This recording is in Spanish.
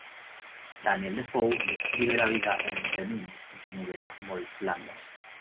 Daniel Defoe describe la vida en The Mint en su novela "Moll Flanders".